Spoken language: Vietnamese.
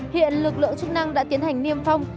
hiện lực lượng chức năng đã tiến hành niêm phong